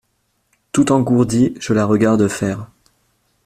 Tout engourdie, je la regarde faire.